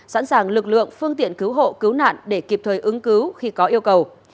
sẵn sàng lực lượng phương tiện cứu hộ cứu nạn để kịp thời ứng cứu khi có yêu cầu